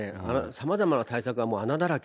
さまざまな対策がもう穴だらけ。